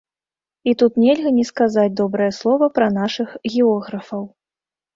І тут нельга не сказаць добрае слова пра нашых географаў.